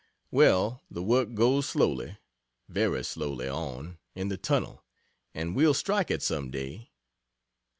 Well, the work goes slowly very slowly on, in the tunnel, and we'll strike it some day.